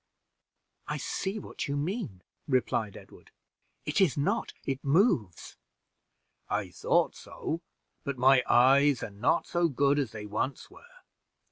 "I see what you mean," replied Edward. "It is not, it moves." "I thought so, but my eyes are not so good as they once were.